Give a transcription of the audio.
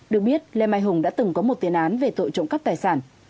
được biết lê mai hùng đã từng có một tiền án về tội trộm cắp tài sản